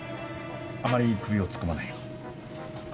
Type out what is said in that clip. あまり首を突っ込まないように。